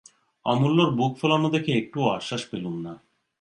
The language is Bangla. অমূল্যর বুক-ফোলানো দেখে একটুও আশ্বাস পেলুম না।